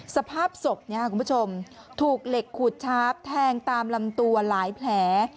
สภาพสบถูกเหล็กขูดช้าปแทงตามลำตัวหลายแผล